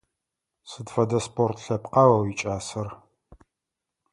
Сыд фэдэ спорт лъэпкъа о уикӀасэр?